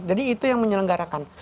jadi itu yang menyelenggarakan